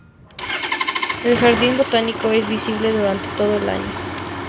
El jardín botánico es visitable durante todo el año.